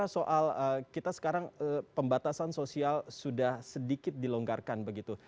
soal kita sekarang pembatasan sosial sudah sedikit dilonggarkan begitu